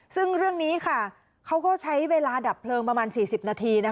ซึ่งเรื่องนี้ค่ะเขาก็ใช้เวลาดับเพลิงประมาณ๔๐นาที